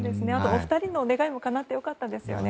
お二人の願いもかなってよかったですね。